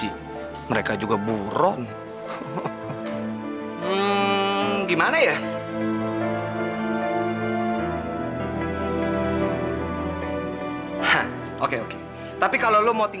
ya ampun ya ampun